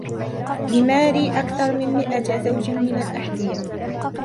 لِماري أكثر من مئة زوجٍ من الأحذية.